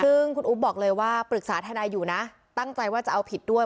ซึ่งคุณอุ๊บบอกเลยว่าปรึกษาทนายอยู่นะตั้งใจว่าจะเอาผิดด้วย